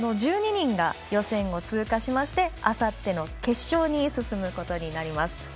１２人が予選を通過しましてあさっての決勝に進むことになります。